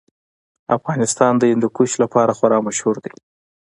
افغانستان د هندوکش لپاره خورا مشهور دی.